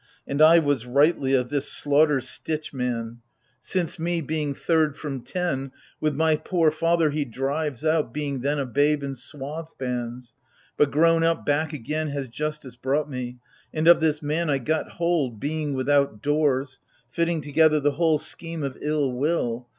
And I was rightly of this slaughter stitch man : I40 AGAMEMNON. Since me, — being third from ten, — with my poor father He drives out — being then a babe in swathe bands : But, grown up, back again has justice brought me : And of this man I got hold — being without doors — Fitting together the whole scheme of ill will.